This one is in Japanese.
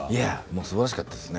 すばらしかったですね。